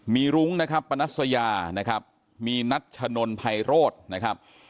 มีรุ้งนะครับปนัสยานะครับมีนัชนนไพโรธนะครับ